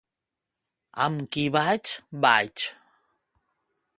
Amb qui vaig, vaig.